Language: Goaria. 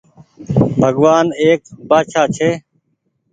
بگوآن ايڪ بآڇآ ڇي